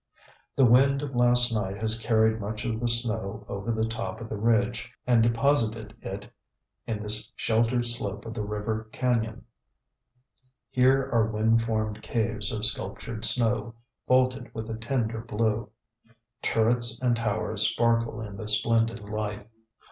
The wind of last night has carried much of the snow over the top of the ridge and deposited it in this sheltered slope of the river cañon. Here are wind formed caves of sculptured snow, vaulted with a tender blue. Turrets and towers sparkle in the splendid light.